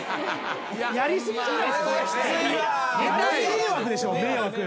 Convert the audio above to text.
迷惑でしょ迷惑。